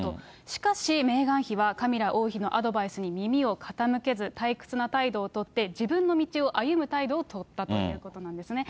しかしメーガン妃は、カミラ王妃のアドバイスに耳を傾けず、退屈な態度を取って、自分の道を歩む態度を取ったということなんですね。